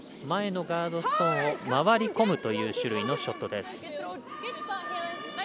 前のガードストーンを回り込むという種類のショットです。